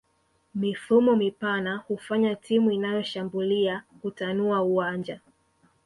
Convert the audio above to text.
Mifumo mipana hufanya timu inayoshambulia kutanua uwanja